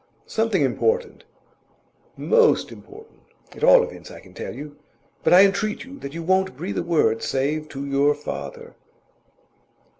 Something important most important. At all events, I can tell you. But I entreat that you won't breathe a word save to your father.